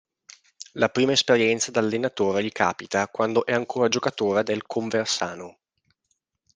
La prima esperienza da allenatore gli capita quando è ancora giocatore del Conversano.